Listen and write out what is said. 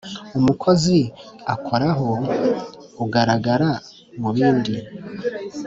umukozi akoraho ugaragara mubandi